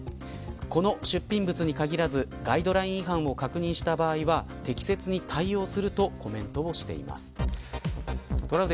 この出品物に限らずガイドライン違反を確認した場合は適切に対応するとコメントをしています。